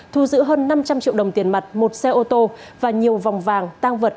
thu giữ hơn năm trăm linh triệu đồng tiền mặt một xe ô tô và nhiều vòng vàng tăng vật